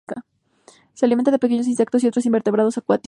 Se alimenta de pequeños insectos y otros invertebrados acuáticos.